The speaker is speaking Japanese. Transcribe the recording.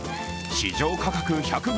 市場価格１００ｇ